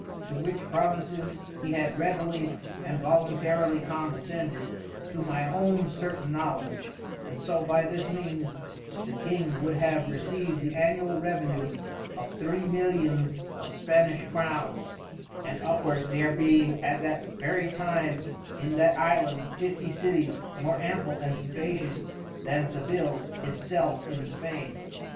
To which promises he had readily and voluntarily condescended, to my own certain knowledge, and so by this means, the King would have received the Annual Revenue of Three Millions of Spanish Crowns, and upward, there being at that very time in that Island Fifty Cities more ample and spacious than Sevil it self in Spain.